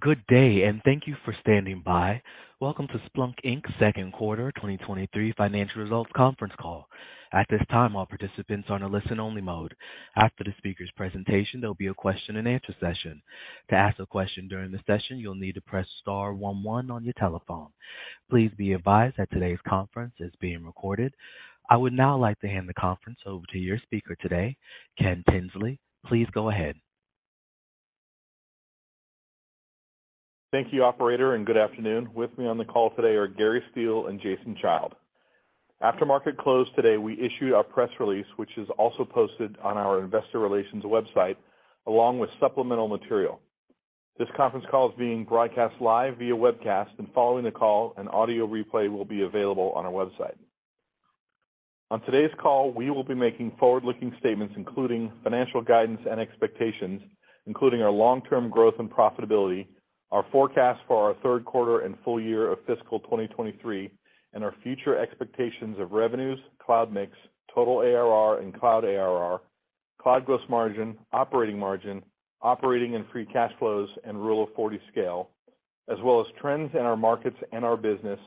Good day, and thank you for standing by. Welcome to Splunk Inc.'s second quarter 2023 financial results conference call. At this time, all participants are in a listen only mode. After the speaker's presentation, there'll be a question and answer session. To ask a question during the session, you'll need to press star one one on your telephone. Please be advised that today's conference is being recorded. I would now like to hand the conference over to your speaker today, Ken Tinsley. Please go ahead. Thank you, operator, and good afternoon. With me on the call today are Gary Steele and Jason Child. After market closed today, we issued our press release, which is also posted on our investor relations website, along with supplemental material. This conference call is being broadcast live via webcast, and following the call, an audio replay will be available on our website. On today's call, we will be making forward-looking statements including financial guidance and expectations, including our long-term growth and profitability, our forecast for our third quarter and full year of fiscal 2023, and our future expectations of revenues, cloud mix, total ARR and cloud ARR, cloud gross margin, operating margin, operating and free cash flows and Rule of 40 scale, as well as trends in our markets and our business,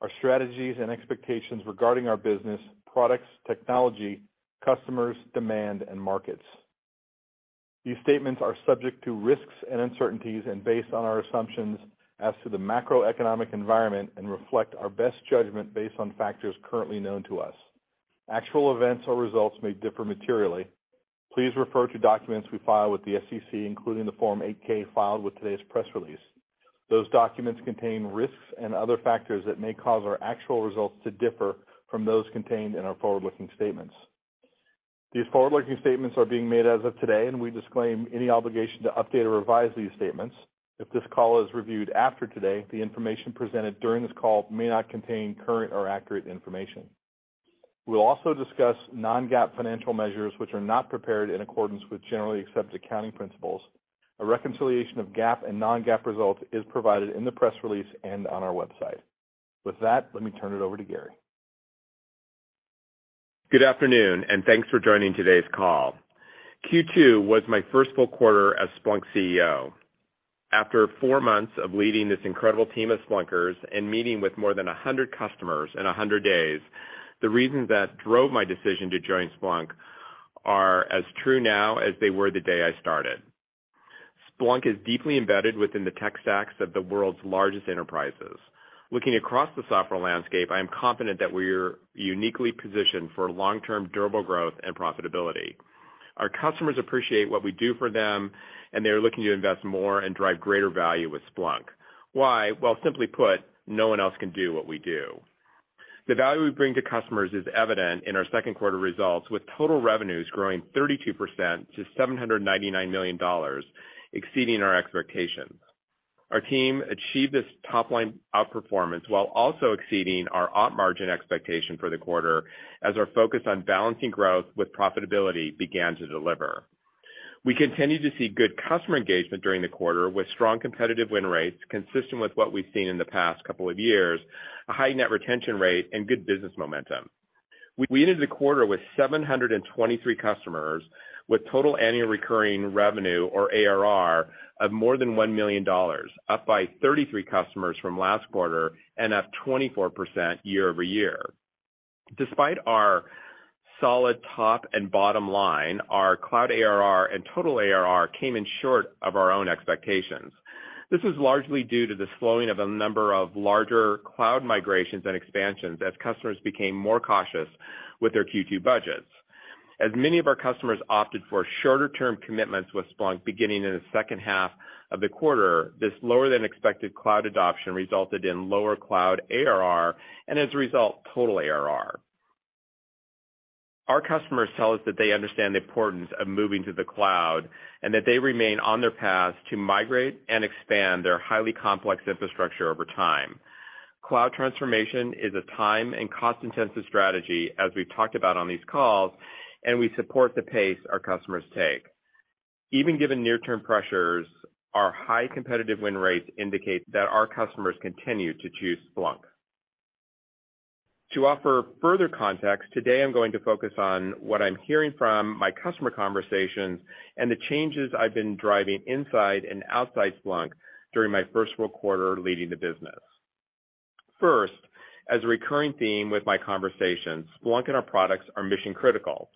our strategies and expectations regarding our business, products, technology, customers, demand and markets. These statements are subject to risks and uncertainties and based on our assumptions as to the macroeconomic environment and reflect our best judgment based on factors currently known to us. Actual events or results may differ materially. Please refer to documents we file with the SEC, including the Form 8-K filed with today's press release. Those documents contain risks and other factors that may cause our actual results to differ from those contained in our forward-looking statements. These forward-looking statements are being made as of today, and we disclaim any obligation to update or revise these statements. If this call is reviewed after today, the information presented during this call may not contain current or accurate information. We'll also discuss non-GAAP financial measures which are not prepared in accordance with generally accepted accounting principles. A reconciliation of GAAP and non-GAAP results is provided in the press release and on our website. With that, let me turn it over to Gary. Good afternoon, and thanks for joining today's call. Q2 was my first full quarter as Splunk CEO. After four months of leading this incredible team of Splunkers and meeting with more than 100 customers in 100 days, the reasons that drove my decision to join Splunk are as true now as they were the day I started. Splunk is deeply embedded within the tech stacks of the world's largest enterprises. Looking across the software landscape, I am confident that we're uniquely positioned for long-term durable growth and profitability. Our customers appreciate what we do for them, and they are looking to invest more and drive greater value with Splunk. Why? Well, simply put, no one else can do what we do. The value we bring to customers is evident in our second quarter results, with total revenues growing 32% to $799 million, exceeding our expectations. Our team achieved this top-line outperformance while also exceeding our operating margin expectation for the quarter as our focus on balancing growth with profitability began to deliver. We continue to see good customer engagement during the quarter with strong competitive win rates consistent with what we've seen in the past couple of years, a high Net Retention Rate, and good business momentum. We ended the quarter with 723 customers with total annual recurring revenue or ARR of more than $1 million, up by 33 customers from last quarter and up 24% year-over-year. Despite our solid top and bottom line, our cloud ARR and total ARR came in short of our own expectations. This is largely due to the slowing of a number of larger cloud migrations and expansions as customers became more cautious with their Q2 budgets. As many of our customers opted for shorter term commitments with Splunk beginning in the second half of the quarter, this lower than expected cloud adoption resulted in lower cloud ARR and, as a result, total ARR. Our customers tell us that they understand the importance of moving to the cloud and that they remain on their path to migrate and expand their highly complex infrastructure over time. Cloud transformation is a time and cost-intensive strategy, as we've talked about on these calls, and we support the pace our customers take. Even given near-term pressures, our high competitive win rates indicate that our customers continue to choose Splunk. To offer further context, today I'm going to focus on what I'm hearing from my customer conversations and the changes I've been driving inside and outside Splunk during my first full quarter leading the business. First, as a recurring theme with my conversations, Splunk and our products are mission critical.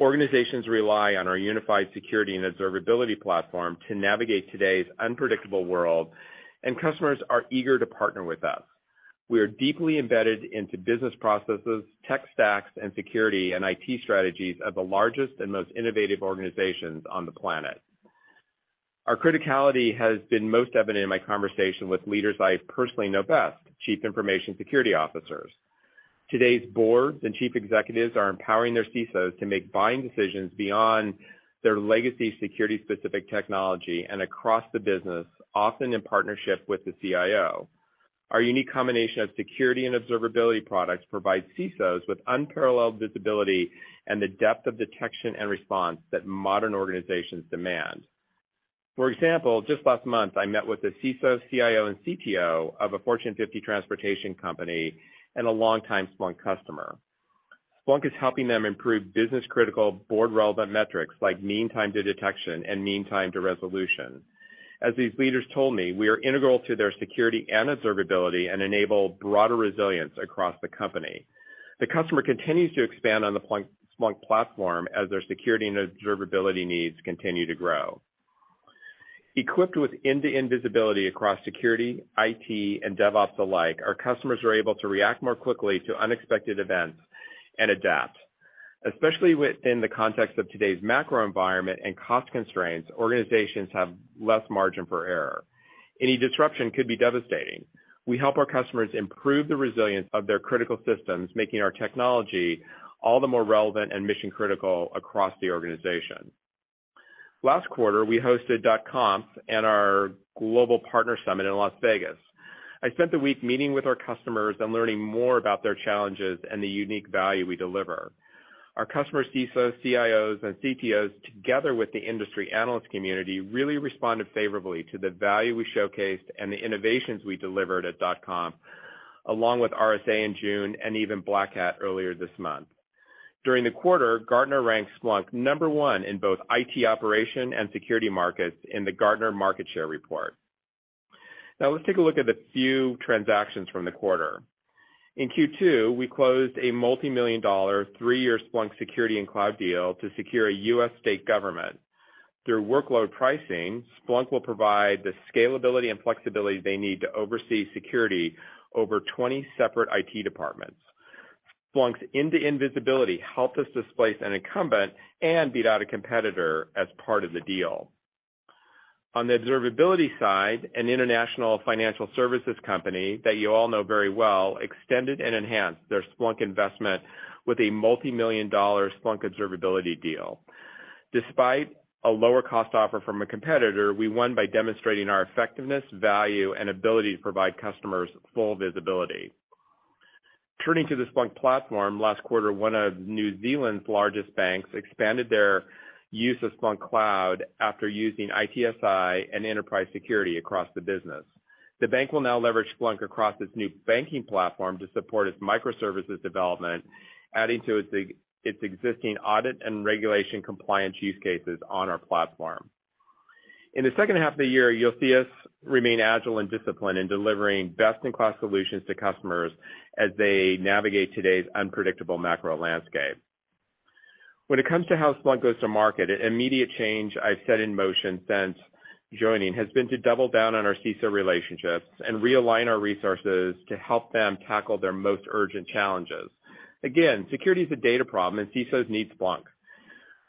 Organizations rely on our unified security and observability platform to navigate today's unpredictable world, and customers are eager to partner with us. We are deeply embedded into business processes, tech stacks, and security and IT strategies of the largest and most innovative organizations on the planet. Our criticality has been most evident in my conversation with leaders I personally know best, chief information security officers. Today's boards and chief executives are empowering their CISOs to make buying decisions beyond their legacy security specific technology and across the business, often in partnership with the CIO. Our unique combination of security and observability products provide CISOs with unparalleled visibility and the depth of detection and response that modern organizations demand. For example, just last month I met with the CISO, CIO, and CTO of a Fortune 50 transportation company and a longtime Splunk customer. Splunk is helping them improve business critical board relevant metrics like mean time to detection and mean time to resolution. As these leaders told me, we are integral to their security and observability and enable broader resilience across the company. The customer continues to expand on the Splunk platform as their security and observability needs continue to grow. Equipped with end-to-end visibility across security, IT, and DevOps alike, our customers are able to react more quickly to unexpected events and adapt. Especially within the context of today's macro environment and cost constraints, organizations have less margin for error. Any disruption could be devastating. We help our customers improve the resilience of their critical systems, making our technology all the more relevant and mission-critical across the organization. Last quarter, we hosted .conf and our global partner summit in Las Vegas. I spent the week meeting with our customers and learning more about their challenges and the unique value we deliver. Our customer CISOs, CIOs and CTOs, together with the industry analyst community, really responded favorably to the value we showcased and the innovations we delivered at .conf, along with RSA in June and even Black Hat earlier this month. During the quarter, Gartner ranked Splunk number one in both IT operations and security markets in the Gartner market share report. Now let's take a look at a few transactions from the quarter. In Q2, we closed a multi-million-dollar, three-year Splunk security and cloud deal to secure a US state government. Through Workload Pricing, Splunk will provide the scalability and flexibility they need to oversee security over 20 separate IT departments. Splunk's end-to-end visibility helped us displace an incumbent and beat out a competitor as part of the deal. On the observability side, an international financial services company that you all know very well extended and enhanced their Splunk investment with a multi-million Splunk Observability deal. Despite a lower cost offer from a competitor, we won by demonstrating our effectiveness, value, and ability to provide customers full visibility. Turning to the Splunk platform, last quarter, one of New Zealand's largest banks expanded their use of Splunk Cloud after using ITSI and Enterprise Security across the business. The bank will now leverage Splunk across its new banking platform to support its microservices development, adding to its existing audit and regulation compliance use cases on our platform. In the second half of the year, you'll see us remain agile and disciplined in delivering best-in-class solutions to customers as they navigate today's unpredictable macro landscape. When it comes to how Splunk goes to market, an immediate change I've set in motion since joining has been to double down on our CISO relationships and realign our resources to help them tackle their most urgent challenges. Again, security is a data problem, and CISOs need Splunk.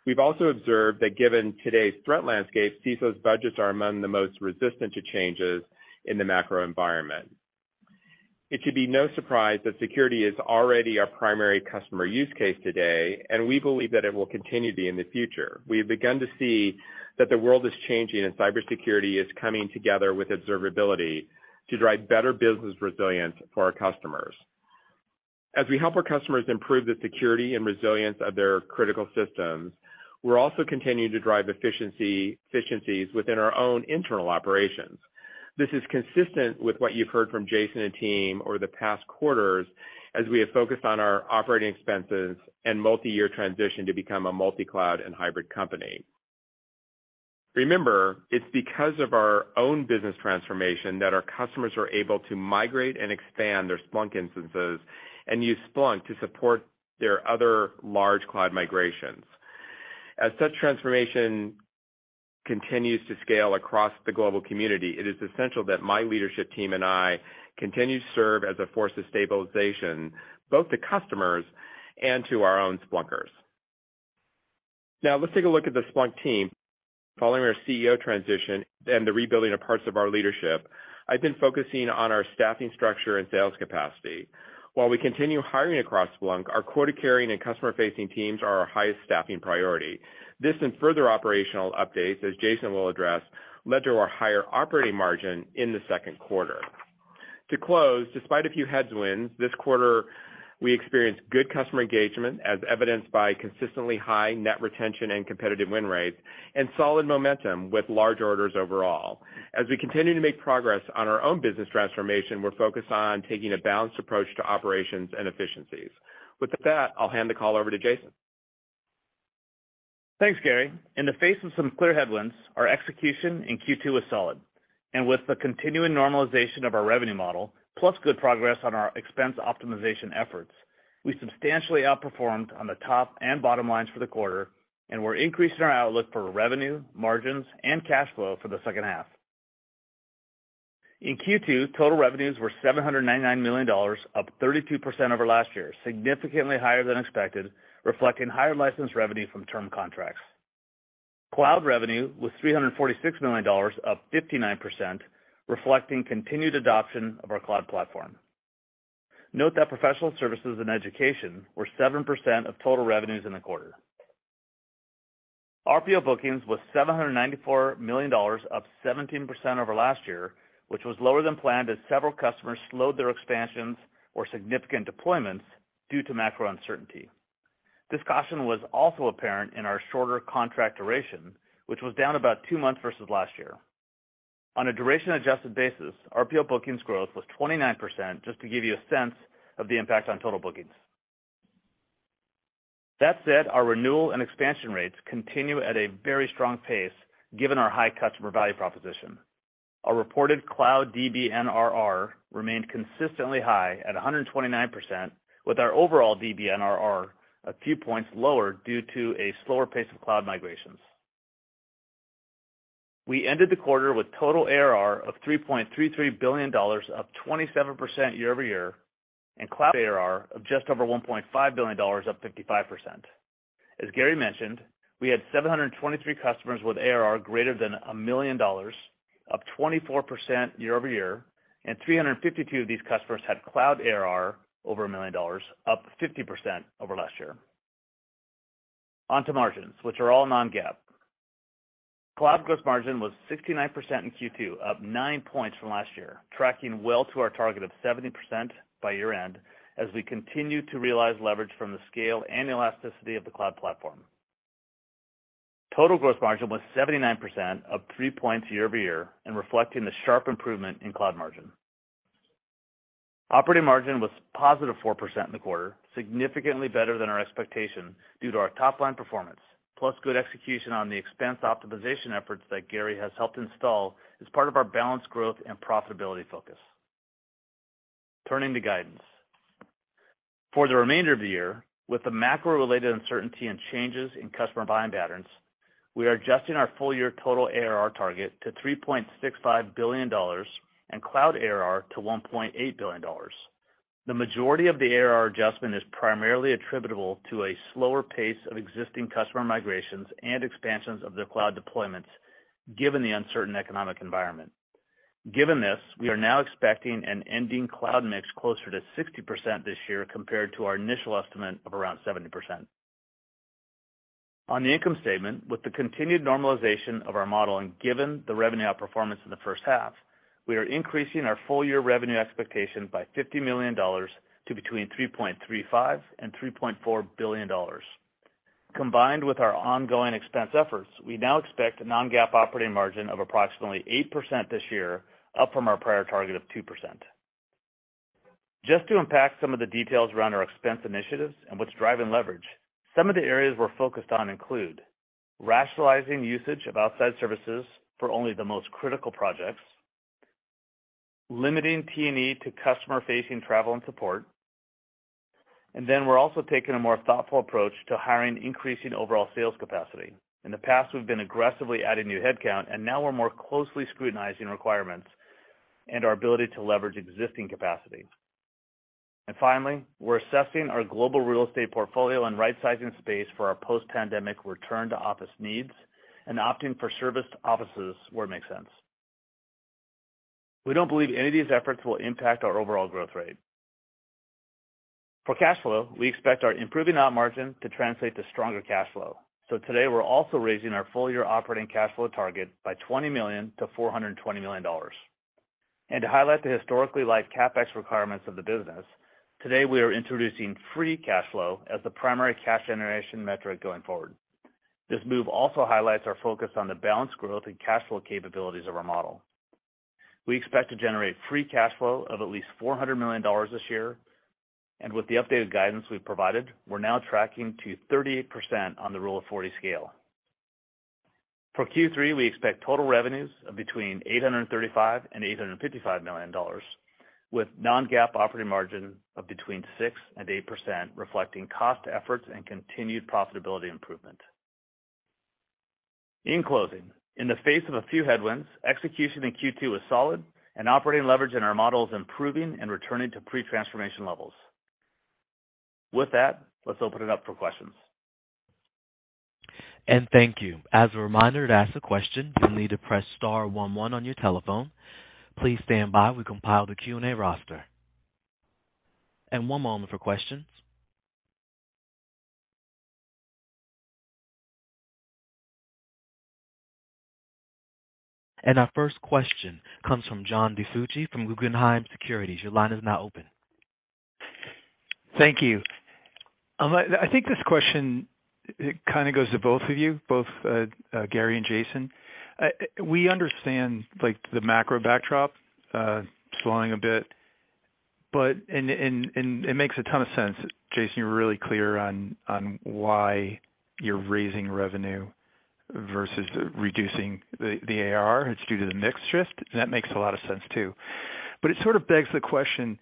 We've also observed that given today's threat landscape, CISOs' budgets are among the most resistant to changes in the macro environment. It should be no surprise that security is already our primary customer use case today, and we believe that it will continue to be in the future. We have begun to see that the world is changing and cybersecurity is coming together with observability to drive better business resilience for our customers. As we help our customers improve the security and resilience of their critical systems, we're also continuing to drive efficiency, efficiencies within our own internal operations. This is consistent with what you've heard from Jason and team over the past quarters as we have focused on our operating expenses and multi-year transition to become a multi-cloud and hybrid company. Remember, it's because of our own business transformation that our customers are able to migrate and expand their Splunk instances and use Splunk to support their other large cloud migrations. As such transformation continues to scale across the global community, it is essential that my leadership team and I continue to serve as a force of stabilization, both to customers and to our own Splunkers. Now let's take a look at the Splunk team. Following our CEO transition and the rebuilding of parts of our leadership, I've been focusing on our staffing structure and sales capacity. While we continue hiring across Splunk, our quota-carrying and customer-facing teams are our highest staffing priority. This and further operational updates, as Jason will address, led to our higher operating margin in the second quarter. To close, despite a few headwinds, this quarter we experienced good customer engagement as evidenced by consistently high net retention and competitive win rates, and solid momentum with large orders overall. As we continue to make progress on our own business transformation, we're focused on taking a balanced approach to operations and efficiencies. With that, I'll hand the call over to Jason. Thanks, Gary. In the face of some clear headwinds, our execution in Q2 was solid. With the continuing normalization of our revenue model, plus good progress on our expense optimization efforts, we substantially outperformed on the top and bottom lines for the quarter, and we're increasing our outlook for revenue, margins, and cash flow for the second half. In Q2, total revenues were $799 million, up 32% over last year, significantly higher than expected, reflecting higher license revenue from term contracts. Cloud revenue was $346 million, up 59%, reflecting continued adoption of our cloud platform. Note that professional services and education were 7% of total revenues in the quarter. RPO bookings was $794 million, up 17% over last year, which was lower than planned as several customers slowed their expansions or significant deployments due to macro uncertainty. This caution was also apparent in our shorter contract duration, which was down about 2 months versus last year. On a duration adjusted basis, RPO bookings growth was 29%, just to give you a sense of the impact on total bookings. That said, our renewal and expansion rates continue at a very strong pace given our high customer value proposition. Our reported cloud DBNRR remained consistently high at 129%, with our overall DBNRR a few points lower due to a slower pace of cloud migrations. We ended the quarter with total ARR of $3.33 billion, up 27% year-over-year, and cloud ARR of just over $1.5 billion, up 55%. As Gary mentioned, we had 723 customers with ARR greater than $1 million, up 24% year-over-year, and 352 of these customers had cloud ARR over $1 million, up 50% over last year. On to margins, which are all non-GAAP. Cloud gross margin was 69% in Q2, up 9 points from last year, tracking well to our target of 70% by year-end as we continue to realize leverage from the scale and elasticity of the cloud platform. Total gross margin was 79%, up 3 points year-over-year, and reflecting the sharp improvement in cloud margin. Operating margin was positive 4% in the quarter, significantly better than our expectation due to our top line performance, plus good execution on the expense optimization efforts that Gary has helped install as part of our balanced growth and profitability focus. Turning to guidance. For the remainder of the year, with the macro-related uncertainty and changes in customer buying patterns, we are adjusting our full year total ARR target to $3.65 billion and cloud ARR to $1.8 billion. The majority of the ARR adjustment is primarily attributable to a slower pace of existing customer migrations and expansions of their cloud deployments given the uncertain economic environment. Given this, we are now expecting an ending cloud mix closer to 60% this year compared to our initial estimate of around 70%. On the income statement, with the continued normalization of our model and given the revenue outperformance in the first half, we are increasing our full year revenue expectation by $50 million to between $3.35 billion and $3.4 billion. Combined with our ongoing expense efforts, we now expect a non-GAAP operating margin of approximately 8% this year, up from our prior target of 2%. Just to unpack some of the details around our expense initiatives and what's driving leverage, some of the areas we're focused on include rationalizing usage of outside services for only the most critical projects, limiting T&E to customer-facing travel and support, and then we're also taking a more thoughtful approach to hiring and increasing overall sales capacity. In the past, we've been aggressively adding new headcount, and now we're more closely scrutinizing requirements and our ability to leverage existing capacity. Finally, we're assessing our global real estate portfolio and right-sizing space for our post-pandemic return to office needs and opting for serviced offices where it makes sense. We don't believe any of these efforts will impact our overall growth rate. For cash flow, we expect our improving op margin to translate to stronger cash flow. Today, we're also raising our full year operating cash flow target by $20 million to $420 million. To highlight the historically light CapEx requirements of the business, today we are introducing free cash flow as the primary cash generation metric going forward. This move also highlights our focus on the balanced growth and cash flow capabilities of our model. We expect to generate free cash flow of at least $400 million this year, and with the updated guidance we've provided, we're now tracking to 38% on the Rule of 40 scale. For Q3, we expect total revenues of between $835 million and $855 million with non-GAAP operating margin of 6%-8%, reflecting cost efforts and continued profitability improvement. In closing, in the face of a few headwinds, execution in Q2 was solid and operating leverage in our model is improving and returning to pre-transformation levels. With that, let's open it up for questions. Thank you. As a reminder, to ask a question, you'll need to press star one one on your telephone. Please stand by. We compiled a Q&A roster. One moment for questions. Our first question comes from John DiFucci from Guggenheim Securities. Your line is now open. Thank you. I think this question, it kind of goes to both of you, Gary and Jason. We understand like the macro backdrop slowing a bit, and it makes a ton of sense. Jason, you're really clear on why you're raising revenue versus reducing the ARR. It's due to the mix shift. That makes a lot of sense too. It sort of begs the question,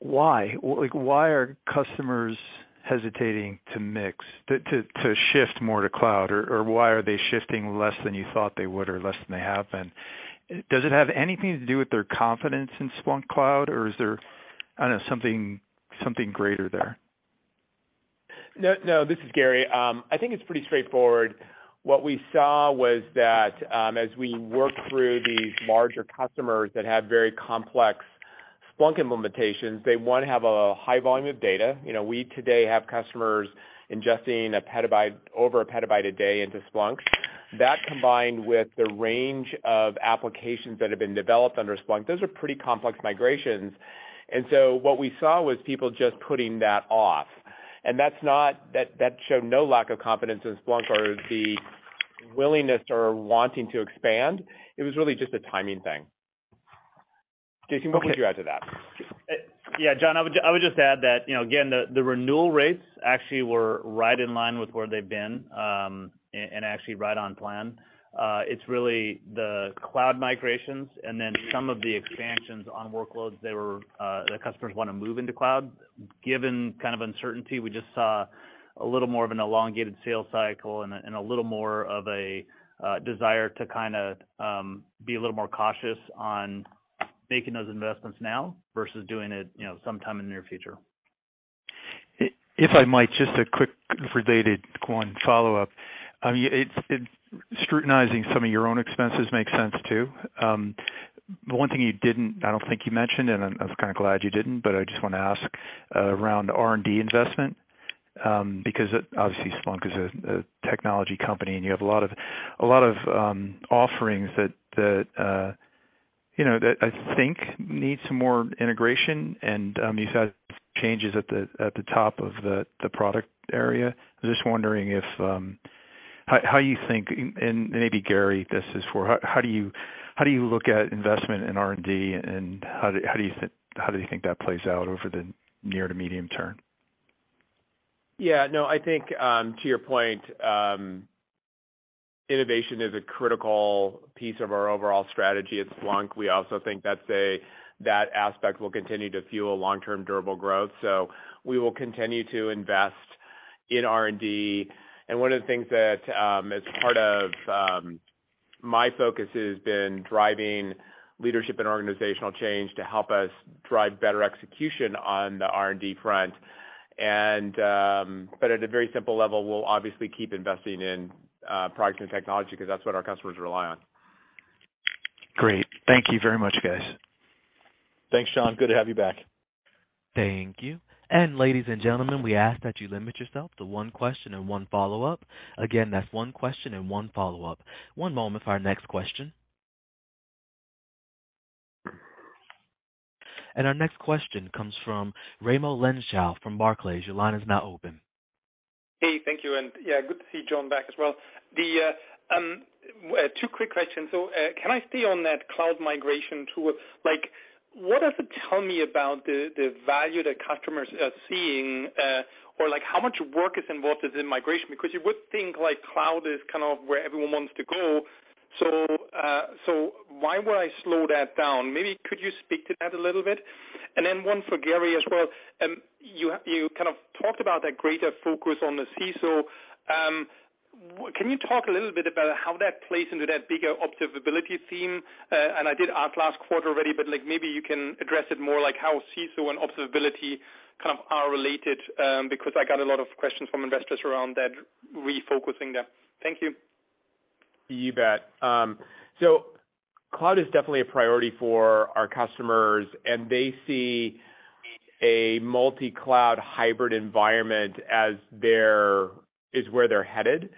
why? Like, why are customers hesitating to mix to shift more to cloud, or why are they shifting less than you thought they would or less than they have been? Does it have anything to do with their confidence in Splunk Cloud or is there, I don't know, something greater there? No, no, this is Gary. I think it's pretty straightforward. What we saw was that, as we work through these larger customers that have very complex Splunk implementations, they, one, have a high volume of data. You know, we today have customers ingesting a petabyte, over a petabyte a day into Splunk. That combined with the range of applications that have been developed under Splunk, those are pretty complex migrations. What we saw was people just putting that off. That's not that. That showed no lack of confidence in Splunk or the willingness or wanting to expand. It was really just a timing thing. Jason, what would you add to that? Yeah, John, I would just add that, you know, again, the renewal rates actually were right in line with where they've been, and actually right on plan. It's really the cloud migrations and then some of the expansions on workloads where the customers want to move into cloud. Given kind of uncertainty, we just saw a little more of an elongated sales cycle and a little more of a desire to kind of be a little more cautious on making those investments now versus doing it, you know, sometime in the near future. If I might, just a quick related one follow-up. I mean, scrutinizing some of your own expenses makes sense too. But one thing I don't think you mentioned, and I'm kind of glad you didn't, but I just want to ask around R&D investment, because obviously Splunk is a technology company, and you have a lot of offerings that you know that I think need some more integration. You've had changes at the top of the product area. Just wondering if how you think and maybe Gary this is for. How do you look at investment in R&D and how do you think that plays out over the near to medium term? Yeah. No, I think to your point, innovation is a critical piece of our overall strategy at Splunk. We also think that aspect will continue to fuel long-term durable growth. We will continue to invest in R&D. One of the things that as part of my focus has been driving leadership and organizational change to help us drive better execution on the R&D front. But at a very simple level, we'll obviously keep investing in product and technology because that's what our customers rely on. Great. Thank you very much, guys. Thanks, John. Good to have you back. Thank you. Ladies and gentlemen, we ask that you limit yourself to one question and one follow-up. Again, that's one question and one follow-up. One moment for our next question. Our next question comes from Raimo Lenschow from Barclays. Your line is now open. Hey, thank you. Yeah, good to see John DiFucci back as well. Two quick questions. Can I stay on that cloud migration tool? Like, what does it tell me about the value that customers are seeing, or like how much work is involved in migration? Because you would think like cloud is kind of where everyone wants to go. Why would I slow that down? Maybe could you speak to that a little bit? Then one for Gary Steele as well. You kind of talked about that greater focus on the CISO. Can you talk a little bit about how that plays into that bigger observability theme? I did ask last quarter already, but like maybe you can address it more like how CISO and observability kind of are related, because I got a lot of questions from investors around that refocusing there. Thank you. You bet. Cloud is definitely a priority for our customers, and they see a multi-cloud hybrid environment as their is where they're headed.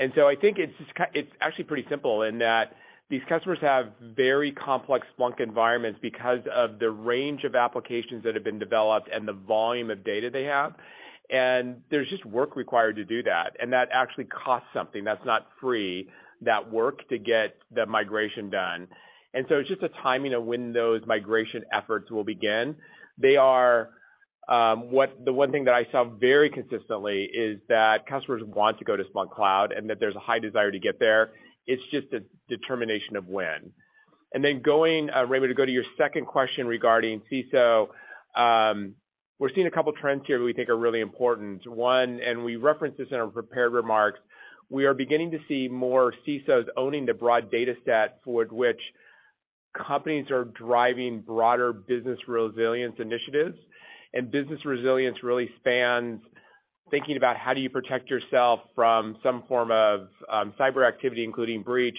I think it's actually pretty simple in that these customers have very complex Splunk environments because of the range of applications that have been developed and the volume of data they have. There's just work required to do that, and that actually costs something. That's not free, that work to get the migration done. It's just a timing of when those migration efforts will begin. The one thing that I saw very consistently is that customers want to go to Splunk Cloud and that there's a high desire to get there. It's just a determination of when. Then going, Raimo, to go to your second question regarding CISO, we're seeing a couple trends here that we think are really important. One, and we referenced this in our prepared remarks, we are beginning to see more CISOs owning the broad data set for which companies are driving broader business resilience initiatives. Business resilience really spans thinking about how do you protect yourself from some form of cyber activity, including breach,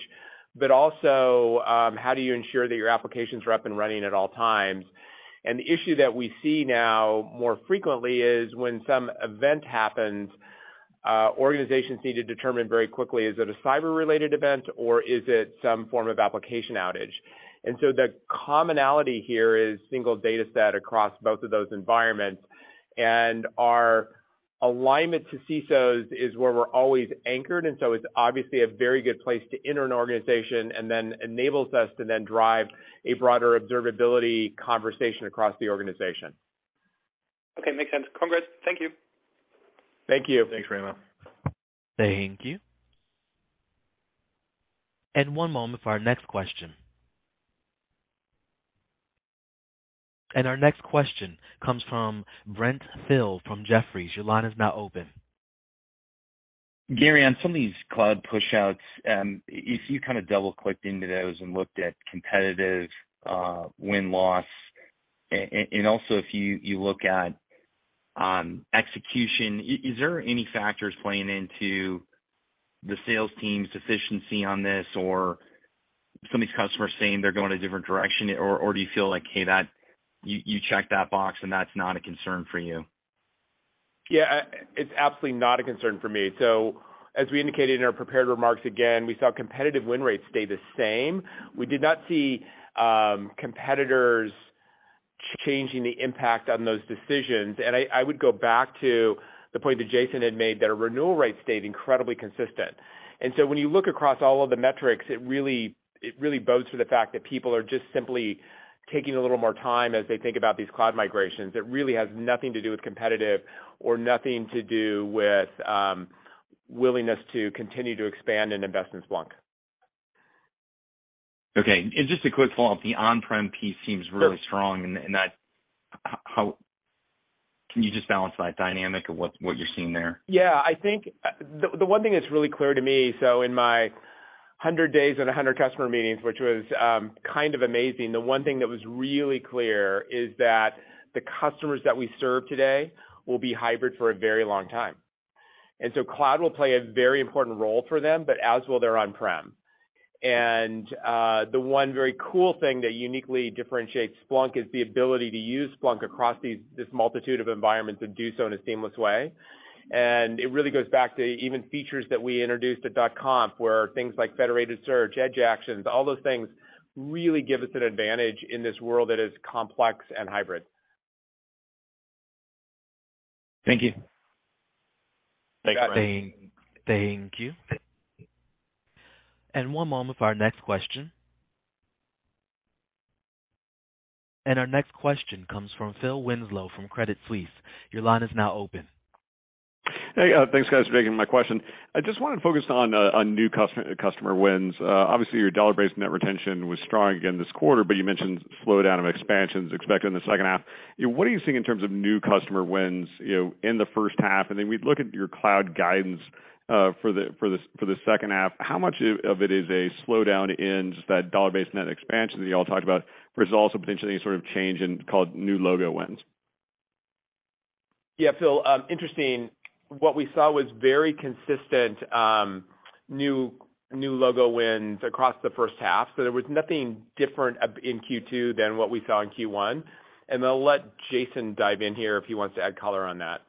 but also how do you ensure that your applications are up and running at all times. The issue that we see now more frequently is when some event happens, organizations need to determine very quickly, is it a cyber related event or is it some form of application outage. The commonality here is single data set across both of those environments. Our alignment to CISOs is where we're always anchored. It's obviously a very good place to enter an organization and then enables us to then drive a broader observability conversation across the organization. Okay. Makes sense. Congrats. Thank you. Thank you. Thanks, Raimo. Thank you. One moment for our next question. Our next question comes from Brent Thill from Jefferies. Your line is now open. Gary, on some of these cloud pushouts, if you kind of double-clicked into those and looked at competitive, win-loss, and also if you look at execution, is there any factors playing into the sales team's efficiency on this or some of these customers saying they're going a different direction? Or do you feel like, hey, that you check that box and that's not a concern for you? Yeah. It's absolutely not a concern for me. As we indicated in our prepared remarks, again, we saw competitive win rates stay the same. We did not see competitors changing the impact on those decisions. I would go back to the point that Jason had made that our renewal rate stayed incredibly consistent. When you look across all of the metrics, it really bodes to the fact that people are just simply taking a little more time as they think about these cloud migrations. It really has nothing to do with competition or nothing to do with willingness to continue to expand an investment in Splunk. Okay. Just a quick follow-up. The on-prem piece seems really strong. How can you just balance that dynamic of what you're seeing there? Yeah, I think the one thing that's really clear to me, so in my 100 days and 100 customer meetings, which was kind of amazing, the one thing that was really clear is that the customers that we serve today will be hybrid for a very long time. Cloud will play a very important role for them, but as will their on-prem. The one very cool thing that uniquely differentiates Splunk is the ability to use Splunk across these, this multitude of environments and do so in a seamless way. It really goes back to even features that we introduced at .conf, where things like Federated Search, Edge Processor, all those things really give us an advantage in this world that is complex and hybrid. Thank you. Thanks. Thank you. One moment for our next question. Our next question comes from Phil Winslow from Credit Suisse. Your line is now open. Hey, thanks guys for taking my question. I just wanna focus on new customer wins. Obviously, your dollar-based net retention was strong again this quarter, but you mentioned slowdown of expansions expected in the second half. You know, what are you seeing in terms of new customer wins, you know, in the first half? Then we look at your cloud guidance for the second half, how much of it is a slowdown in just that dollar-based net expansion that you all talked about versus also potentially sort of change in cloud new logo wins? Yeah. Phil, interesting. What we saw was very consistent, new logo wins across the first half. There was nothing different up in Q2 than what we saw in Q1. I'll let Jason dive in here if he wants to add color on that.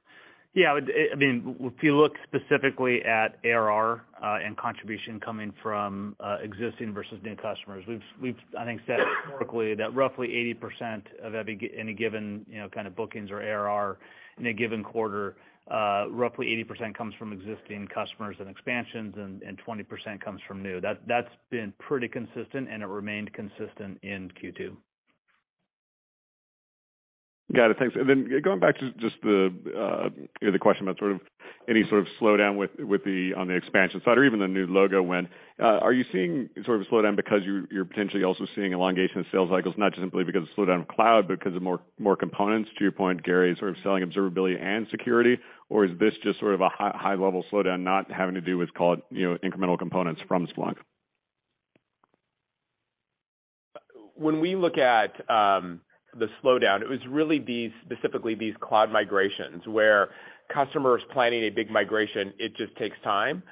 Yeah, I mean, if you look specifically at ARR and contribution coming from existing versus new customers, we've I think said historically that roughly 80% of any given, you know, kind of bookings or ARR in a given quarter, roughly 80% comes from existing customers and expansions and 20% comes from new. That's been pretty consistent, and it remained consistent in Q2. Got it. Thanks. Going back to just the, you know, the question about sort of any sort of slowdown with the on the expansion side or even the new logo win. Are you seeing sort of a slowdown because you're potentially also seeing elongation of sales cycles, not just simply because of slowdown of cloud, but because of more components to your point, Gary, sort of selling observability and security? Or is this just sort of a high level slowdown not having to do with cloud, you know, incremental components from Splunk? When we look at the slowdown, it was really these, specifically these cloud migrations where customers planning a big migration, it just takes time.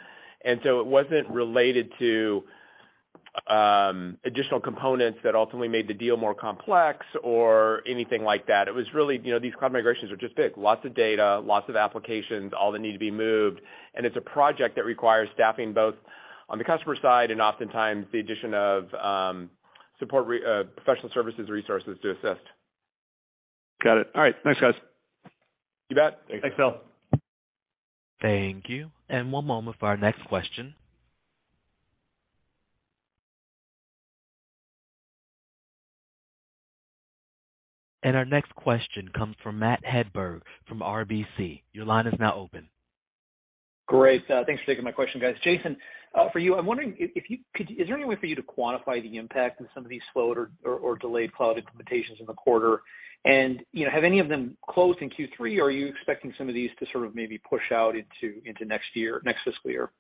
It wasn't related to additional components that ultimately made the deal more complex or anything like that. It was really, you know, these cloud migrations are just big. Lots of data, lots of applications, all that need to be moved. It's a project that requires staffing both on the customer side and oftentimes the addition of support professional services resources to assist. Got it. All right. Thanks, guys. You bet. Thanks. Thanks, Phil. Thank you. One moment for our next question. Our next question comes from Matt Hedberg from RBC. Your line is now open. Great. Thanks for taking my question, guys. Jason, for you, I'm wondering if you could. Is there any way for you to quantify the impact of some of these slowed or delayed cloud implementations in the quarter? You know, have any of them closed in Q3, or are you expecting some of these to sort of maybe push out into next year, next fiscal year?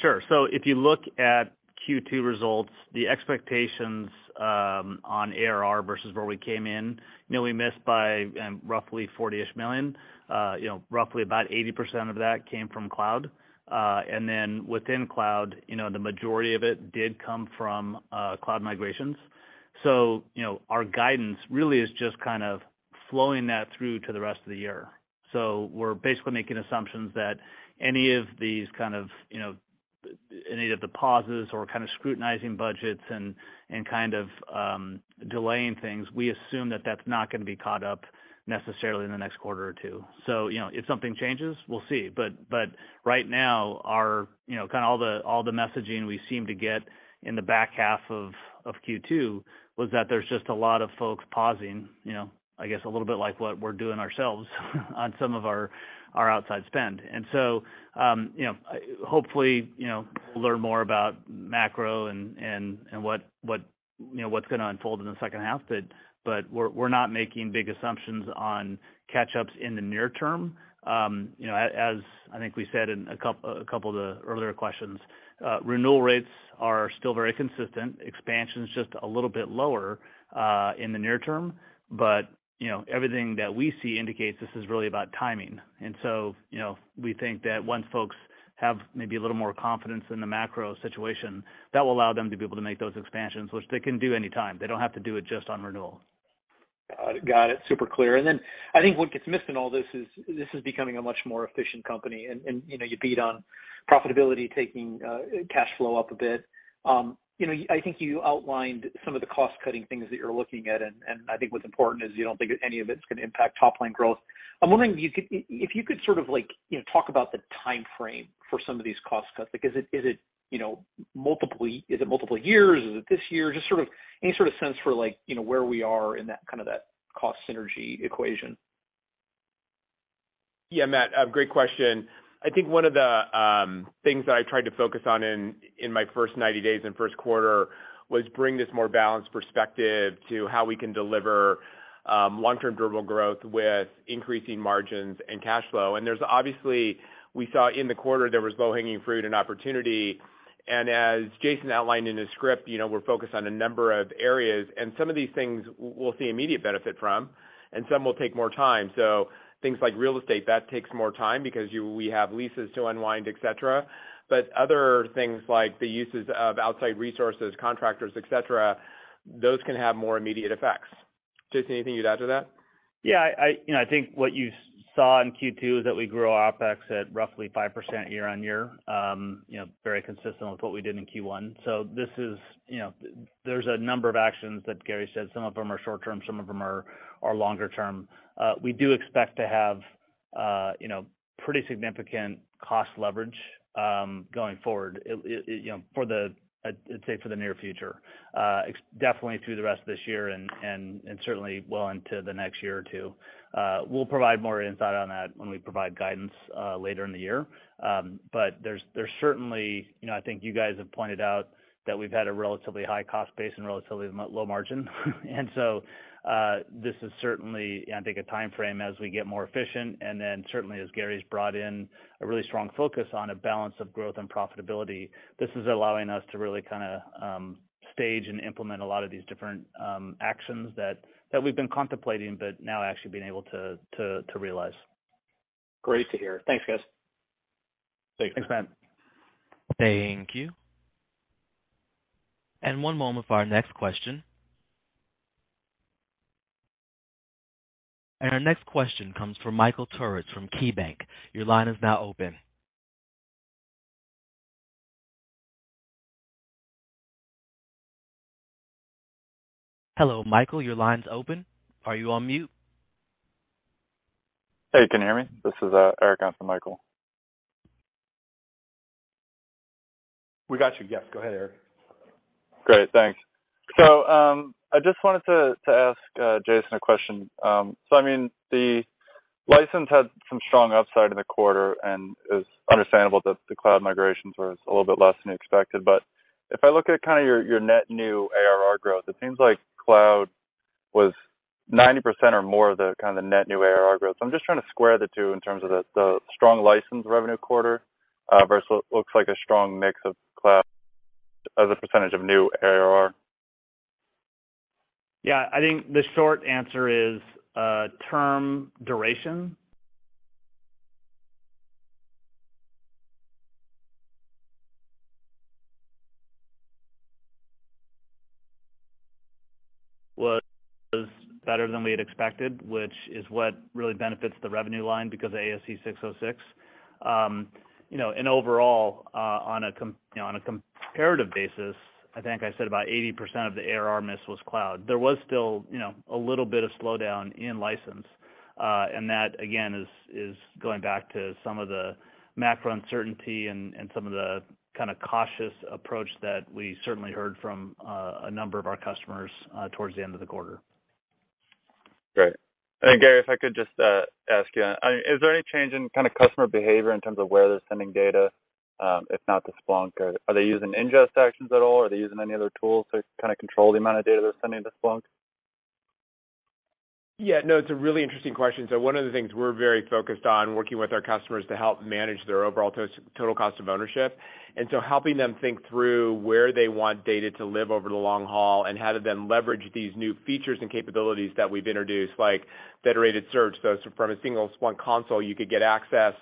Sure. If you look at Q2 results, the expectations on ARR versus where we came in, you know, we missed by roughly $40-ish million. Roughly about 80% of that came from cloud. Then within cloud, you know, the majority of it did come from cloud migrations. Our guidance really is just kind of flowing that through to the rest of the year. We're basically making assumptions that any of these kind of, you know, any of the pauses or kind of scrutinizing budgets and kind of delaying things, we assume that that's not gonna be caught up necessarily in the next quarter or two. You know, if something changes, we'll see. Right now our, you know, kind of all the messaging we seem to get in the back half of Q2 was that there's just a lot of folks pausing, you know, I guess a little bit like what we're doing ourselves on some of our outside spend. Hopefully, you know, we'll learn more about macro and what, you know, what's gonna unfold in the second half. We're not making big assumptions on catch-ups in the near term. You know, as I think we said in a couple of the earlier questions, renewal rates are still very consistent. Expansion's just a little bit lower in the near term. You know, everything that we see indicates this is really about timing. We think that once folks have maybe a little more confidence in the macro situation, that will allow them to be able to make those expansions, which they can do anytime. They don't have to do it just on renewal. Got it. Super clear. Then I think what gets missed in all this is this is becoming a much more efficient company, and you know, you beat on profitability taking cash flow up a bit. You know, I think you outlined some of the cost-cutting things that you're looking at, and I think what's important is you don't think any of it's gonna impact top-line growth. I'm wondering if you could if you could sort of like you know talk about the timeframe for some of these cost cuts. Like, is it you know is it multiple years? Is it this year? Just sort of any sense for like you know where we are in that kind of cost synergy equation. Yeah, Matt, a great question. I think one of the things that I tried to focus on in my first 90 days in first quarter was bring this more balanced perspective to how we can deliver long-term durable growth with increasing margins and cash flow. There's obviously we saw in the quarter there was low-hanging fruit and opportunity. As Jason outlined in his script, you know, we're focused on a number of areas, and some of these things we'll see immediate benefit from, and some will take more time. Things like real estate, that takes more time because we have leases to unwind, et cetera. Other things like the uses of outside resources, contractors, et cetera, those can have more immediate effects. Jason, anything you'd add to that? Yeah, you know, I think what you saw in Q2 is that we grew OpEx at roughly 5% year-on-year. You know, very consistent with what we did in Q1. This is, you know, there's a number of actions that Gary said. Some of them are short term, some of them are longer term. We do expect to have, you know, pretty significant cost leverage going forward, it you know, I'd say, for the near future. Definitely through the rest of this year and certainly well into the next year or two. We'll provide more insight on that when we provide guidance later in the year. There's certainly, you know, I think you guys have pointed out that we've had a relatively high cost base and relatively low margin. This is certainly, I think, a timeframe as we get more efficient. Certainly as Gary's brought in a really strong focus on a balance of growth and profitability, this is allowing us to really kind of stage and implement a lot of these different actions that we've been contemplating but now actually being able to realize. Great to hear. Thanks, guys. Thanks. Thanks, Matt. Thank you. One moment for our next question. Our next question comes from Michael Turits from KeyBanc. Your line is now open. Hello, Michael, your line's open. Are you on mute? Hey, can you hear me? This is Eric on for Michael. We got you. Yes, go ahead, Eric. Great, thanks. I just wanted to ask Jason a question. I mean, the license had some strong upside in the quarter, and it's understandable that the cloud migrations were a little bit less than you expected. If I look at kind of your net new ARR growth, it seems like cloud was 90% or more of the kind of net new ARR growth. I'm just trying to square the two in terms of the strong license revenue quarter, versus what looks like a strong mix of cloud as a percentage of new ARR. Yeah. I think the short answer is, term duration was better than we had expected, which is what really benefits the revenue line because of ASC 606. You know, and overall, on a comparative basis, I think I said about 80% of the ARR miss was cloud. There was still, you know, a little bit of slowdown in license, and that again is going back to some of the macro uncertainty and some of the kind of cautious approach that we certainly heard from a number of our customers towards the end of the quarter. Great. Gary, if I could just ask you. I mean, is there any change in kind of customer behavior in terms of where they're sending data, if not to Splunk? Are they using Ingest Actions at all? Are they using any other tools to kind of control the amount of data they're sending to Splunk? Yeah. No, it's a really interesting question. One of the things we're very focused on working with our customers to help manage their overall total cost of ownership, and helping them think through where they want data to live over the long haul and how to then leverage these new features and capabilities that we've introduced, like Federated Search. From a single Splunk console, you could get access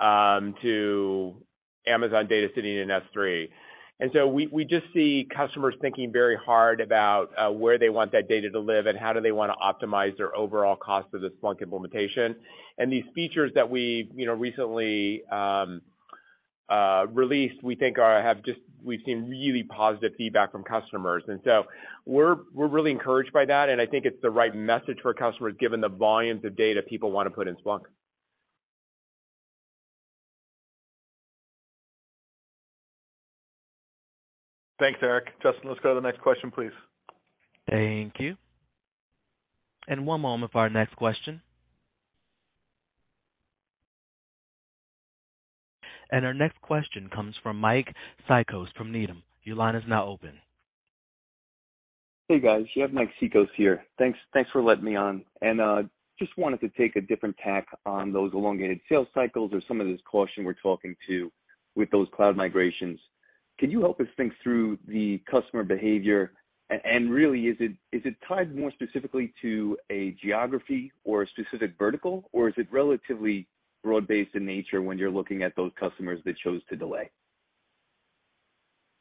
to Amazon Data Lake and S3. We just see customers thinking very hard about where they want that data to live and how do they wanna optimize their overall cost of the Splunk implementation. These features that we've, you know, recently released, we think we've seen really positive feedback from customers. We're really encouraged by that, and I think it's the right message for customers given the volumes of data people want to put in Splunk. Thanks, Eric. Justin, let's go to the next question, please. Thank you. One moment for our next question. Our next question comes from Mike Cikos from Needham. Your line is now open. Hey, guys. You have Mike Cikos here. Thanks for letting me on. Just wanted to take a different tack on those elongated sales cycles or some of this caution we're talking about with those cloud migrations. Can you help us think through the customer behavior? Really, is it tied more specifically to a geography or a specific vertical, or is it relatively broad-based in nature when you're looking at those customers that chose to delay?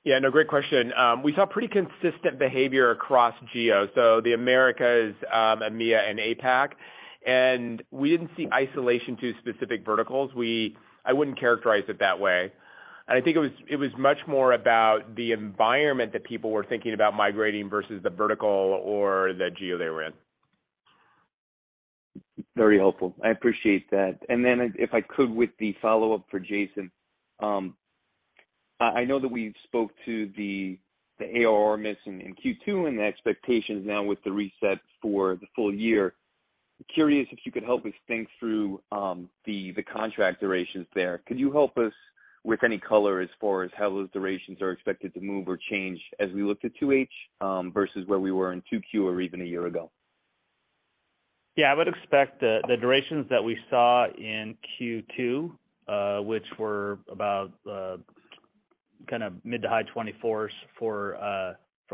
Yeah, no great question. We saw pretty consistent behavior across geo, so the Americas, EMEA and APAC. We didn't see isolation to specific verticals. I wouldn't characterize it that way. I think it was much more about the environment that people were thinking about migrating versus the vertical or the geo they were in. Very helpful. I appreciate that. If I could, with the follow-up for Jason, I know that we spoke to the ARR miss in Q2 and the expectations now with the reset for the full year. Curious if you could help us think through the contract durations there. Could you help us with any color as far as how those durations are expected to move or change as we look to 2H versus where we were in 2Q or even a year ago? Yeah. I would expect the durations that we saw in Q2, which were about kind of mid- to high 20s for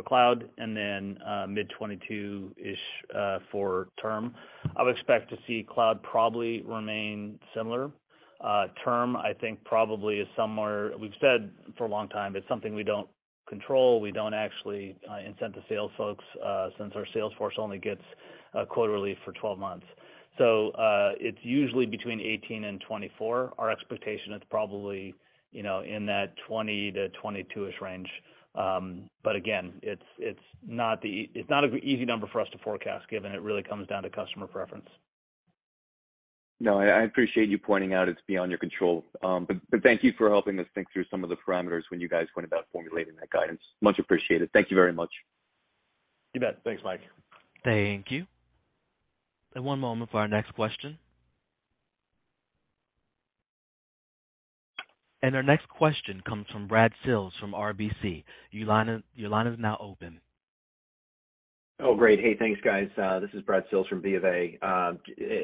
cloud and then mid 22-ish for term. I would expect to see cloud probably remain similar. Term, I think probably is somewhere. We've said for a long time, it's something we don't control. We don't actually incent the sales folks, since our sales force only gets a quota relief for 12 months. It's usually between 18 and 24. Our expectation is probably, you know, in that 20-22-ish range. Again, it's not an easy number for us to forecast, given it really comes down to customer preference. No, I appreciate you pointing out it's beyond your control. Thank you for helping us think through some of the parameters when you guys went about formulating that guidance. Much appreciated. Thank you very much. You bet. Thanks, Mike. Thank you. One moment for our next question. Our next question comes from Brad Sills from RBC. Your line is now open. Oh, great. Hey, thanks, guys. This is Brad Sills from BofA.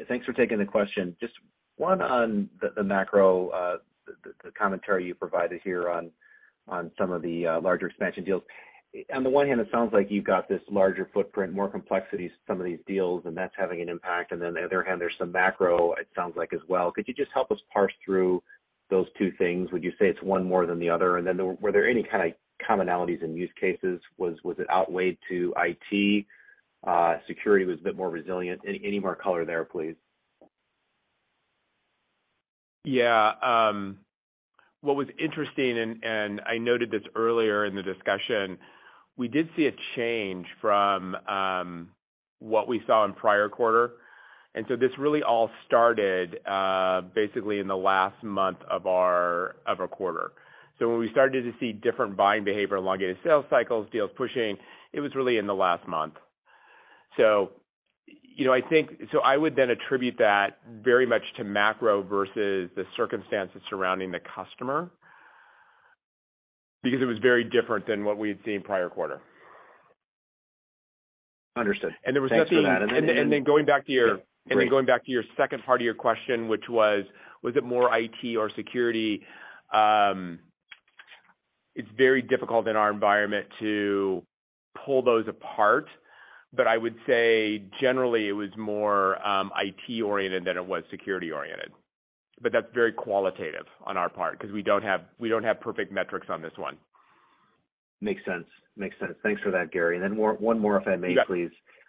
Thanks for taking the question. Just one on the macro, the commentary you provided here on some of the larger expansion deals. On the one hand, it sounds like you've got this larger footprint, more complexity, some of these deals, and that's having an impact. The other hand, there's some macro, it sounds like as well. Could you just help us parse through those two things? Would you say it's one more than the other? Were there any kind of commonalities in use cases? Was it weighted to IT? Security was a bit more resilient. Any more color there, please? Yeah. What was interesting, and I noted this earlier in the discussion, we did see a change from what we saw in prior quarter. This really all started, basically in the last month of our quarter. When we started to see different buying behavior, elongated sales cycles, deals pushing, it was really in the last month. You know, I think I would then attribute that very much to macro versus the circumstances surrounding the customer because it was very different than what we had seen prior quarter. Understood. Thanks for that. Going back to your. Yeah, great. Going back to your second part of your question, which was it more IT or security? It's very difficult in our environment to pull those apart, but I would say generally it was more IT oriented than it was security oriented. That's very qualitative on our part because we don't have perfect metrics on this one. Makes sense. Thanks for that, Gary. Then, one more, if I may, please.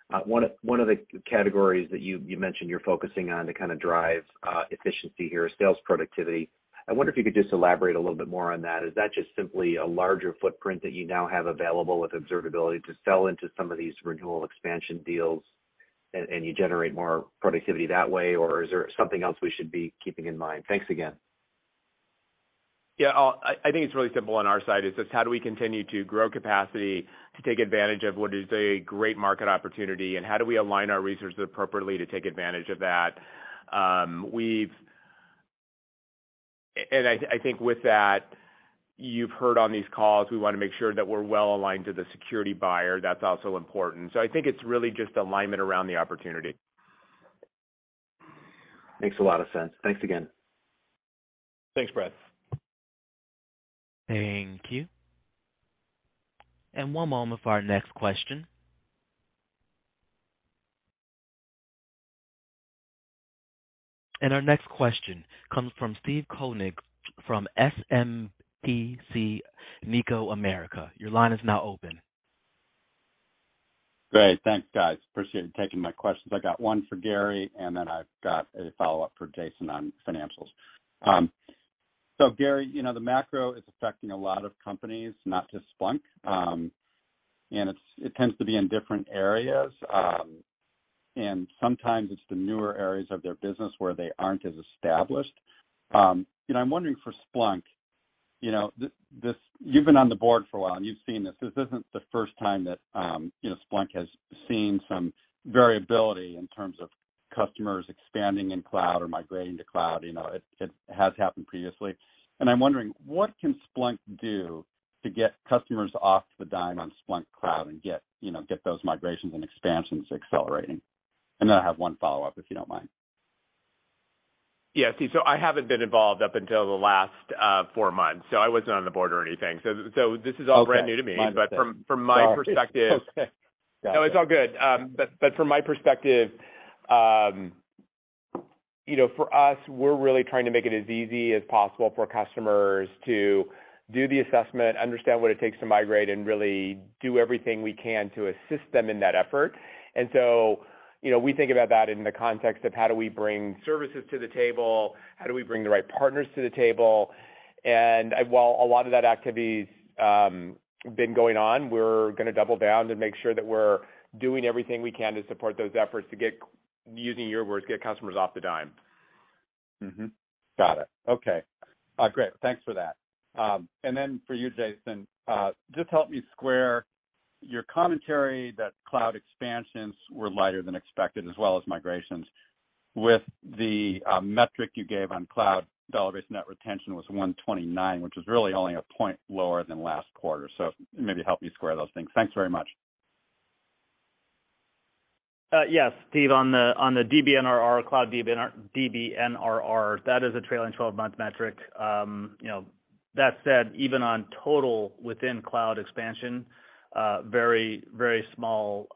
You got it. One of the categories that you mentioned you're focusing on to kind of drive efficiency here is sales productivity. I wonder if you could just elaborate a little bit more on that. Is that just simply a larger footprint that you now have available with observability to sell into some of these renewal expansion deals and you generate more productivity that way, or is there something else we should be keeping in mind? Thanks again. Yeah, I think it's really simple on our side. It's just how do we continue to grow capacity to take advantage of what is a great market opportunity, and how do we align our resources appropriately to take advantage of that? I think with that, you've heard on these calls, we wanna make sure that we're well aligned to the security buyer. That's also important. I think it's really just alignment around the opportunity. Makes a lot of sense. Thanks again. Thanks, Brad. Thank you. One moment for our next question. Our next question comes from Steve Koenig from SMBC Nikko America. Your line is now open. Great. Thanks, guys. Appreciate you taking my questions. I got one for Gary, and then I've got a follow-up for Jason on financials. Gary, you know, the macro is affecting a lot of companies, not just Splunk. It's, it tends to be in different areas. Sometimes it's the newer areas of their business where they aren't as established. You know, I'm wondering for Splunk, you know, this. You've been on the board for a while, and you've seen this. This isn't the first time that, you know, Splunk has seen some variability in terms of customers expanding in cloud or migrating to cloud. You know, it has happened previously. I'm wondering, what can Splunk do to get customers off the dime on Splunk Cloud and get, you know, get those migrations and expansions accelerating? I have one follow-up, if you don't mind. Yeah. See, I haven't been involved up until the last four months, so I wasn't on the board or anything. This is all brand new to me. Okay. My mistake. From my perspective. Well, it's okay. No, it's all good. From my perspective, you know, for us, we're really trying to make it as easy as possible for customers to do the assessment, understand what it takes to migrate, and really do everything we can to assist them in that effort. You know, we think about that in the context of how do we bring services to the table, how do we bring the right partners to the table. While a lot of that activity's been going on, we're gonna double down to make sure that we're doing everything we can to support those efforts to get, using your words, customers off the dime. Great. Thanks for that. For you, Jason, just help me square your commentary that cloud expansions were lighter than expected as well as migrations with the metric you gave on cloud dollar-based net retention was 129, which is really only a point lower than last quarter. Maybe help me square those things. Thanks very much. Yes, Steve, on the DBNRR, cloud DBNRR, that is a trailing twelve-month metric. You know, that said, even on total within cloud expansion, very, very small,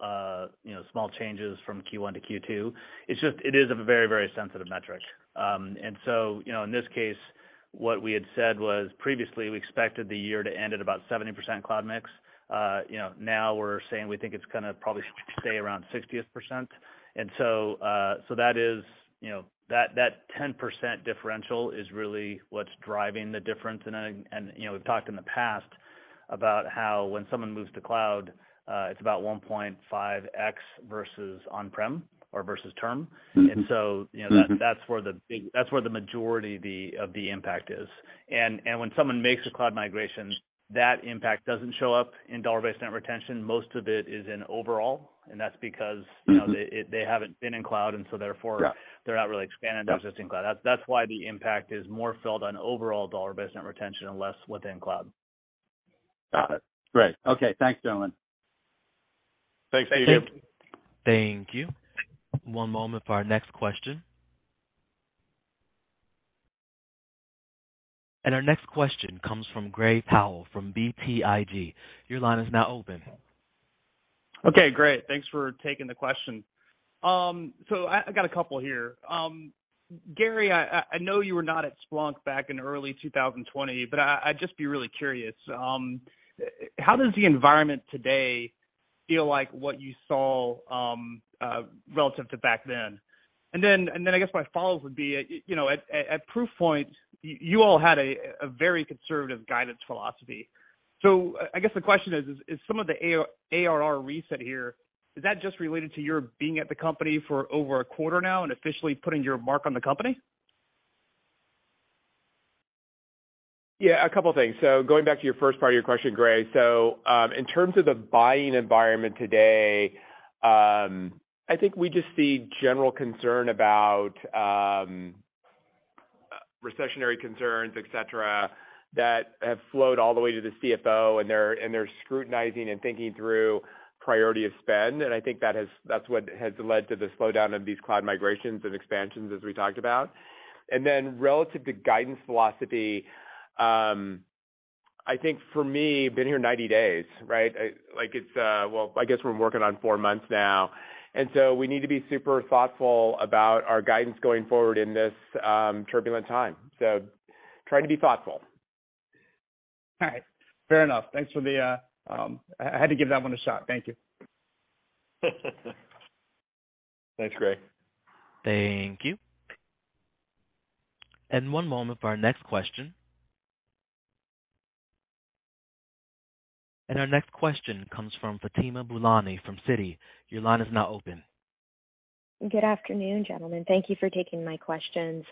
you know, small changes from Q1 to Q2. It's just, it is a very, very sensitive metric. You know, in this case, what we had said was previously we expected the year to end at about 70% cloud mix. You know, now we're saying we think it's gonna probably stay around 60%. That is, you know, that 10% differential is really what's driving the difference. You know, we've talked in the past about how when someone moves to cloud, it's about 1.5x versus on-prem or versus term. Mm-hmm. You know, that's where the majority of the impact is. When someone makes a cloud migration, that impact doesn't show up in dollar-based net retention. Most of it is in overall, and that's because. Mm-hmm you know, they haven't been in cloud and so therefore. Yeah They're not really expanding existing cloud. That's why the impact is more felt on overall dollar-based net retention and less within cloud. Got it. Great. Okay. Thanks, gentlemen. Thanks. Thank you. Thank you. One moment for our next question. Our next question comes from Gray Powell from BTIG. Your line is now open. Okay, great. Thanks for taking the question. So I got a couple here. Gary, I know you were not at Splunk back in early 2020, but I'd just be really curious how does the environment today feel like what you saw relative to back then? I guess my follow-up would be, you know, at Proofpoint, you all had a very conservative guidance philosophy. I guess the question is some of the ARR reset here, is that just related to your being at the company for over a quarter now and officially putting your mark on the company? Yeah, a couple of things. Going back to your first part of your question, Gray. In terms of the buying environment today, I think we just see general concern about recessionary concerns, et cetera, that have flowed all the way to the CFO, and they're scrutinizing and thinking through priority of spend. I think that's what has led to the slowdown of these cloud migrations and expansions, as we talked about. Relative to guidance philosophy, I think for me, been here 90 days, right? Like it's, well, I guess we're working on four months now. We need to be super thoughtful about our guidance going forward in this turbulent time. Trying to be thoughtful. All right. Fair enough. Thanks for the. I had to give that one a shot. Thank you. Thanks, Gray. Thank you. One moment for our next question. Our next question comes from Fatima Boolani from Citi. Your line is now open. Good afternoon, gentlemen. Thank you for taking my questions.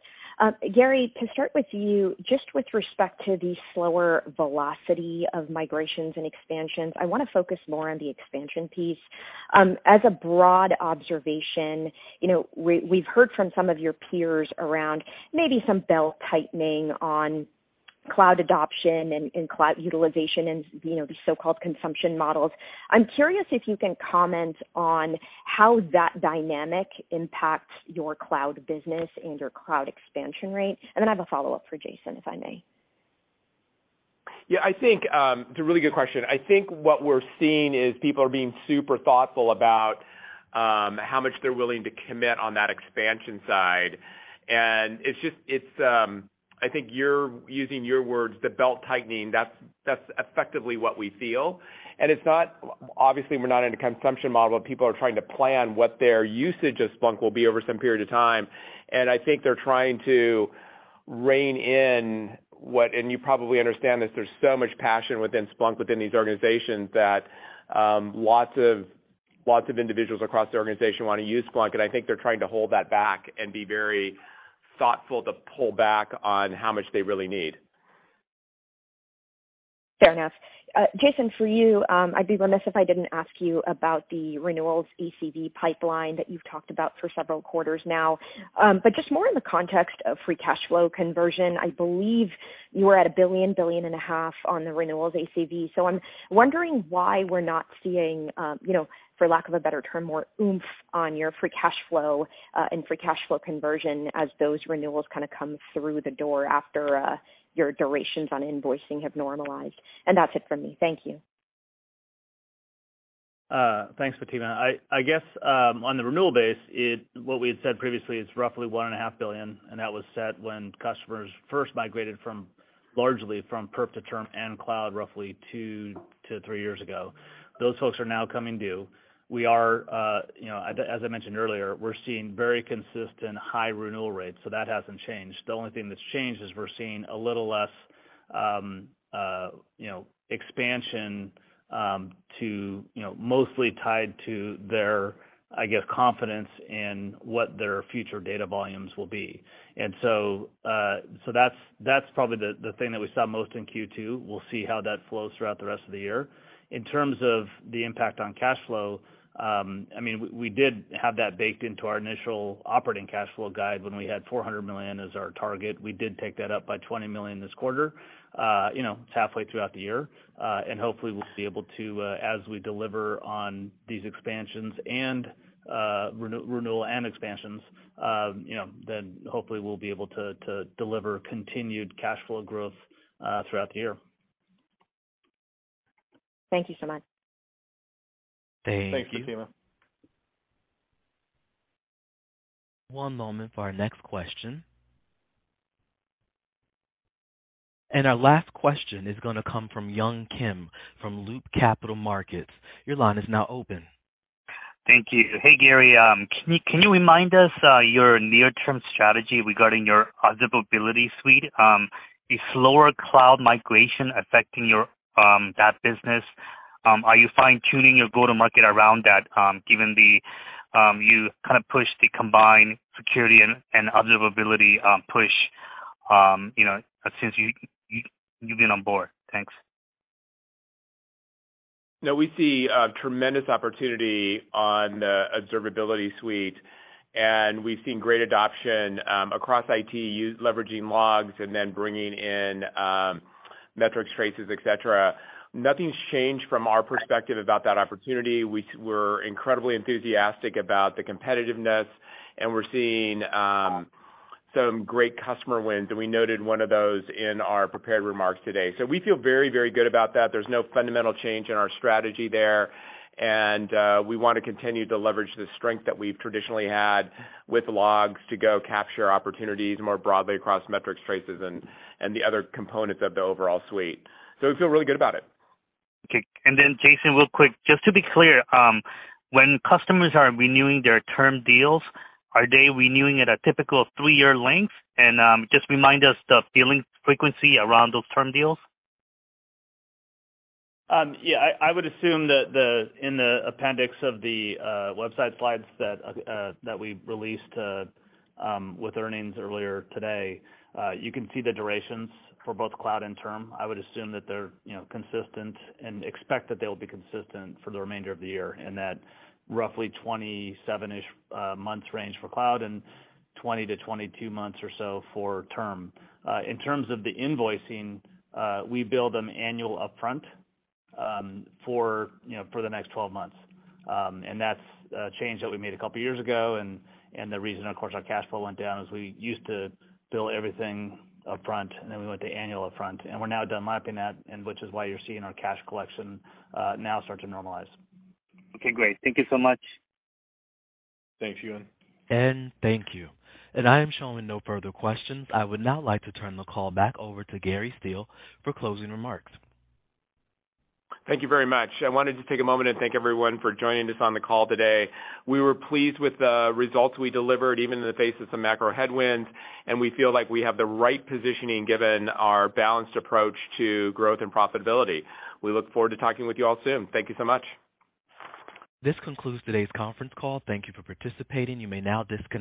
Gary, to start with you, just with respect to the slower velocity of migrations and expansions, I wanna focus more on the expansion piece. As a broad observation, you know, we've heard from some of your peers around maybe some belt-tightening on cloud adoption and cloud utilization and, you know, the so-called consumption models. I'm curious if you can comment on how that dynamic impacts your cloud business and your cloud expansion rates. I have a follow-up for Jason, if I may. Yeah, I think it's a really good question. I think what we're seeing is people are being super thoughtful about how much they're willing to commit on that expansion side. I think you're using your words, the belt-tightening, that's effectively what we feel. Obviously, we're not in a consumption model. People are trying to plan what their usage of Splunk will be over some period of time. I think they're trying to rein in what, and you probably understand this, there's so much passion within Splunk, within these organizations that, lots of individuals across the organization wanna use Splunk, and I think they're trying to hold that back and be very thoughtful to pull back on how much they really need. Fair enough. Jason, for you, I'd be remiss if I didn't ask you about the renewals ACV pipeline that you've talked about for several quarters now. Just more in the context of free cash flow conversion, I believe you were at $1 billion-$1.5 billion on the renewals ACV. I'm wondering why we're not seeing, you know, for lack of a better term, more oomph on your free cash flow and free cash flow conversion as those renewals kinda come through the door after your durations on invoicing have normalized. That's it for me. Thank you. Thanks, Fatima. I guess on the renewal base, what we had said previously is roughly $1.5 billion, and that was set when customers first migrated from perp to term and cloud roughly 2-3 years ago. Those folks are now coming due. We are, you know, as I mentioned earlier, seeing very consistent high renewal rates, so that hasn't changed. The only thing that's changed is we're seeing a little less, you know, expansion to, you know, mostly tied to their, I guess, confidence in what their future data volumes will be. So that's probably the thing that we saw most in Q2. We'll see how that flows throughout the rest of the year. In terms of the impact on cash flow, I mean, we did have that baked into our initial operating cash flow guide when we had $400 million as our target. We did take that up by $20 million this quarter. You know, it's halfway through the year. Hopefully we'll be able to as we deliver on these expansions and renewal and expansions, you know, then hopefully we'll be able to deliver continued cash flow growth throughout the year. Thank you so much. Thank you. Thank you, Fatima. One moment for our next question. Our last question is gonna come from Yun Kim from Loop Capital Markets. Your line is now open. Thank you. Hey, Gary. Can you remind us your near-term strategy regarding your Observability Suite? Is slower cloud migration affecting your that business? Are you fine-tuning your go-to-market around that, given the you kind of push the combined security and observability push you know since you've been on board? Thanks. No, we see tremendous opportunity on the Observability Suite, and we've seen great adoption across IT leveraging logs and then bringing in metrics, traces, et cetera. Nothing's changed from our perspective about that opportunity. We're incredibly enthusiastic about the competitiveness, and we're seeing some great customer wins, and we noted one of those in our prepared remarks today. We feel very, very good about that. There's no fundamental change in our strategy there. We wanna continue to leverage the strength that we've traditionally had with logs to go capture opportunities more broadly across metrics, traces and the other components of the overall suite. We feel really good about it. Okay. Jason, real quick, just to be clear, when customers are renewing their term deals, are they renewing at a typical three-year length? Just remind us the billing frequency around those term deals. I would assume that in the appendix of the website slides that we released with earnings earlier today, you can see the durations for both cloud and term. I would assume that they're, you know, consistent and expect that they'll be consistent for the remainder of the year in that roughly 27-ish months range for cloud and 20-22 months or so for term. In terms of the invoicing, we bill them annual upfront for, you know, for the next 12 months. That's a change that we made a couple years ago. The reason, of course, our cash flow went down is we used to bill everything upfront and then we went to annual upfront. We're now done lapping that, and which is why you're seeing our cash collection now start to normalize. Okay, great. Thank you so much. Thanks, Yun. Thank you. I am showing no further questions. I would now like to turn the call back over to Gary Steele for closing remarks. Thank you very much. I wanted to take a moment and thank everyone for joining us on the call today. We were pleased with the results we delivered, even in the face of some macro headwinds, and we feel like we have the right positioning given our balanced approach to growth and profitability. We look forward to talking with you all soon. Thank you so much. This concludes today's conference call. Thank you for participating. You may now disconnect.